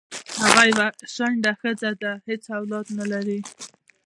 هغه یوه شنډه خځه ده حیڅ اولاد نه لری